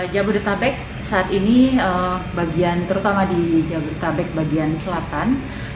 jabodetabek saat ini bagian terutama di jabodetabek bagian selatan